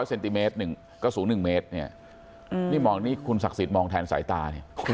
๑๐๐เซนติเมตรก็สูง๑เมตรนี่คุณศักดิ์สิทธิ์มองแทนสายตา